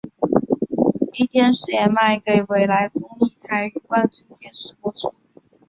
壹电视也卖给纬来综合台与冠军电视播出。